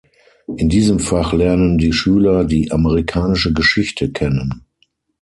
In diesem Fach lernen die Schüler die amerikanische Geschichte kennen.